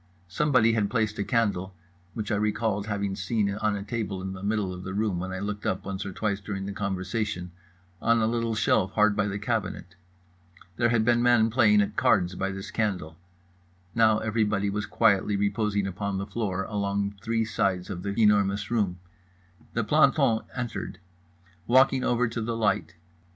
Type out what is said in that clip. Somebody had placed a candle (which I recalled having seen on a table in the middle of the room when I looked up once or twice during the conversation) on a little shelf hard by the cabinet. There had been men playing at cards by this candle—now everybody was quietly reposing upon the floor along three sides of The Enormous Room. The planton entered. Walked over to the light.